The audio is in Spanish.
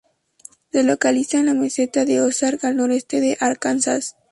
Se localiza en la meseta de Ozark al noroeste de Arkansas.